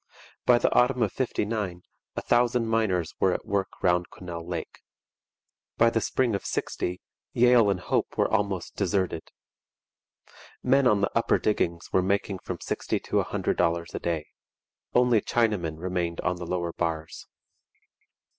By the autumn of '59 a thousand miners were at work round Quesnel Lake. By the spring of '60 Yale and Hope were almost deserted. Men on the upper diggings were making from sixty to a hundred dollars a day. Only Chinamen remained on the lower bars.